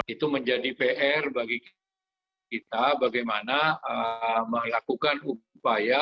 itu menjadi pr bagi kita bagaimana melakukan upaya